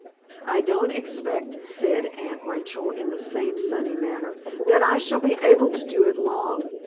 "I don't expect," said Aunt Rachel, in the same sunny manner, "that I shall be able to do it long.